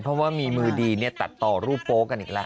เพราะว่ามีมือดีตัดต่อรูปโป๊กันอีกแล้ว